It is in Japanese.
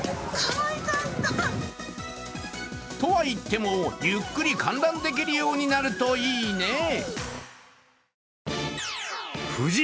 とはいっても、ゆっくり観覧できるようになるといいね。